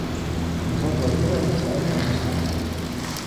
Ils envoient divers messages dans ce sens.